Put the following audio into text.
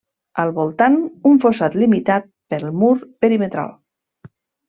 Al voltant, un fossat limitat pel mur perimetral.